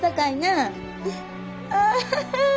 ああ！